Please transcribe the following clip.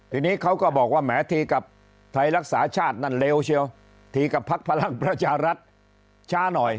ทีนี้เขาก็บอกว่าแหมทีกับไทยรักษาชาตินั่นเลวเชียวทีกับพักพลังประชารัฐช้าหน่อย